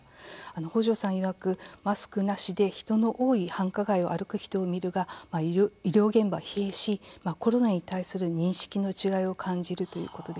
放生さんいわく、マスクなしで人の多い繁華街を歩く人を見るが医療現場は疲弊しコロナに対する認識の違いを感じるということでした。